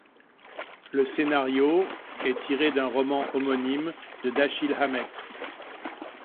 Le scénario est tiré d'un roman homonyme de Dashiell Hammett.